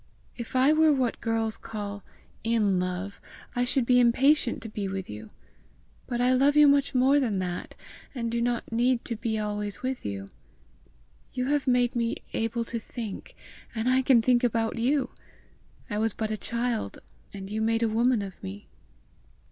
If I were what girls call IN LOVE, I should be impatient to be with you; but I love you much more than that, and do not need to be always with you. You have made me able to think, and I can think about you! I was but a child, and you made a woman of me!"